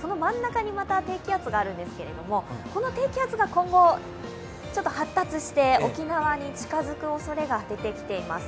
その真ん中にまた低気圧があるんですけれどもこの低気圧が今後、発達して沖縄に近づくおそれが出てきています。